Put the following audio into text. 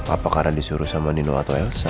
apa karena disuruh sama dino atau elsa